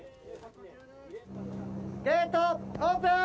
ゲートオープン！